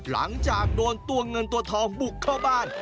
หลังจากโดนตัวเงินตัวทองบุกเข้าบ้าน